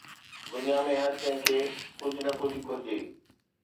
دنيا ۾ هر ڪنهن کي ڪجهه نه ڪجهه گهرجي